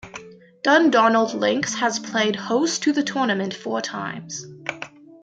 Dundonald Links has played host to the tournament four times.